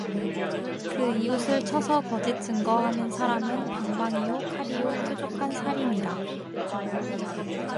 그 이웃을 쳐서 거짓 증거하는 사람은 방망이요 칼이요 뾰족한 살이니라